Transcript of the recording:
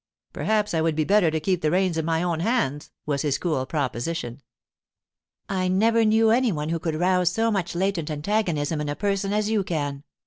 'Perhaps I would better keep the reins in my own hands,' was his cool proposition. 'I never knew any one who could rouse so much latent antagonism in a person as you can!